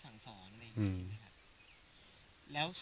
มันน่าจะปกติบ้านเรามีก้านมะยมไหม